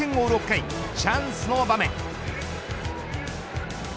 ６回チャンスの場面。